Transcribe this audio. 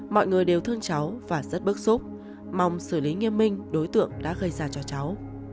mọi người đều thương cháu và rất bức xúc mong xử lý nghiêm minh đối tượng đã gây ra cho cháu